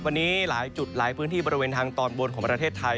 วันนี้หลายจุดหลายพื้นที่บริเวณทางตอนบนของประเทศไทย